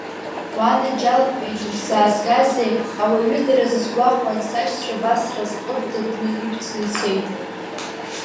Уанаџьалбеит усзаазгазеи, ауаҩыдаразы сгәаҟуан, сашьцәа абас сразҟыдатәны иқәҵны ицеит.